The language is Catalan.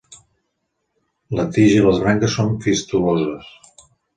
La tija i les branques són fistuloses.